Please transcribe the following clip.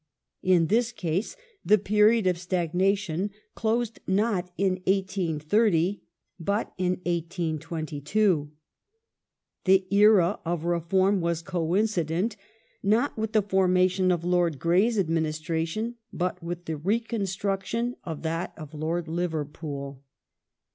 In this case the period of stagnation closed not in 1830, but in 1822 ; the ei a of reform was coincident not with the formation of Lord Grey's administration, but with the reconstruction of that of Lord Liver pool.